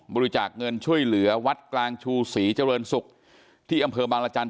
บริจาคเงินช่วยเหลือวัดกลางชูศรีเจริญศุกร์ที่อำเภอบางรจันท